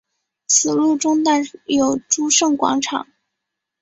此路中段有诸圣广场。